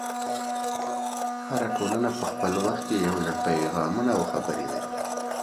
هره ټولنه په خپل وخت کې یو لړ پیغامونه او خبرې لري.